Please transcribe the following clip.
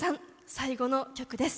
最後の曲です。